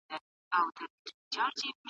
له یوې توري بلا خلاصېږې